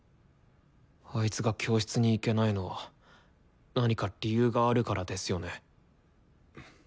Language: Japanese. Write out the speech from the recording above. あいつが教室に行けないのは何か理由があるからですよね？